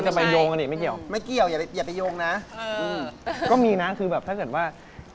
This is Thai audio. รักใครรักมากออกหักแล้วเจ็บมาก